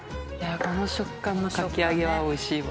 この食感のかき揚げはおいしいわ。